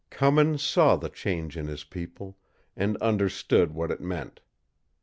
Cummins saw the change in his people, and understood what it meant.